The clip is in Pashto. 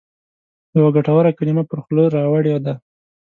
یوه ګټوره کلمه پر خوله راوړې ده.